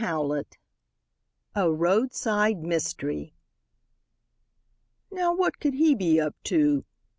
CHAPTER VI. A ROADSIDE MYSTERY. "Now, what could he be up to?"